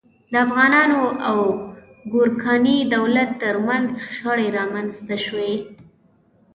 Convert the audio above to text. د افغانانو او ګورکاني دولت تر منځ شخړې رامنځته شوې.